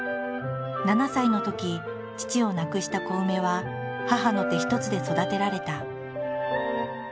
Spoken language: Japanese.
７歳のとき父を亡くしたコウメは母の手一つで育てられた。